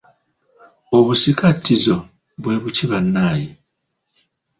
Obusikattizo bwe buki bannaye?